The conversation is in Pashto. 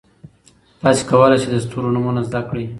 تاسي کولای شئ د ستورو نومونه زده کړئ.